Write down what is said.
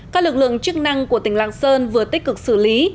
các lực lượng chức năng của tỉnh lạng sơn vừa tích cực xử lý